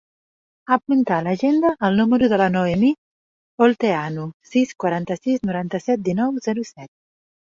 Apunta a l'agenda el número de la Noemí Olteanu: sis, quaranta-sis, noranta-set, dinou, zero, set.